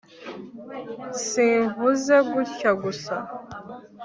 simvuze gutya rwose